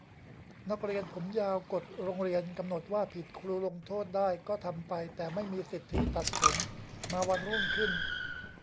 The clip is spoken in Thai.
นักเรียนผมยาว กฎโรงเรียนกำหนดว่าผิด ครูลงโทษได้ ก็ทำไป แต่ไม่มีสิทธิตัดผม มาวันรุ่งขึ้น